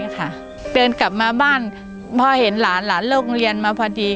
เตือนกลับมาบ้านพอเห็นหลานหลานโรงเรียนมาพอดี